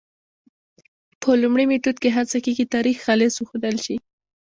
په لومړي میتود کې هڅه کېږي تاریخ خالص وښودل شي.